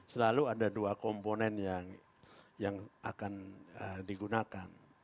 selalu ada dua komponen yang akan digunakan